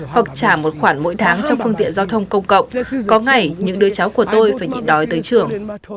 hoặc trả một khoản mỗi tháng trong phương tiện giao thông